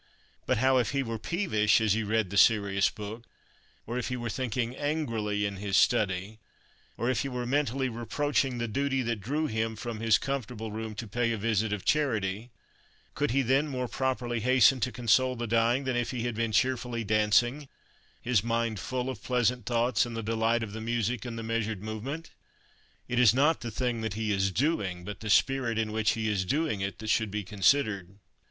But how if he were peevish as he read the serious book, or if he were thinking angrily in his study, or if he were mentally reproaching the duty that drew him from his comfortable room to pay a visit of charity, could he then more properly hasten to console the dying than if he had been cheerfully dancing, his mind full of pleasant thoughts and the delight of the music and the measured movement? It is not the thing that he is doing, but the spirit in which he is doing it, that should be considered.